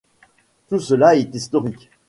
Tout cela est historique.